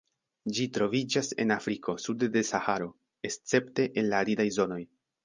Ĝi troviĝas en Afriko sude de Saharo, escepte en la aridaj zonoj.